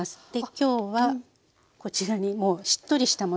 今日はこちらにもうしっとりしたものがありますので。